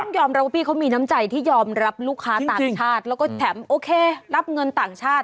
ยอมรับว่าพี่เขามีน้ำใจที่ยอมรับลูกค้าต่างชาติแล้วก็แถมโอเครับเงินต่างชาติ